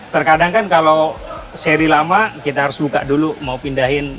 terkadang kan kalau seri lama kita harus buka dulu mau pindahin